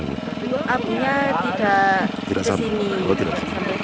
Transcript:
untuk abunya tidak kesini